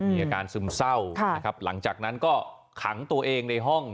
มีอาการซึมเศร้านะครับหลังจากนั้นก็ขังตัวเองในห้อง